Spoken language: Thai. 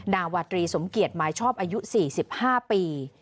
นาวาตรีสมเกียจหมายชอบอายุ๔๕ปี